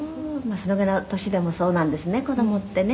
「そのぐらいの年でもそうなんですね子供ってね」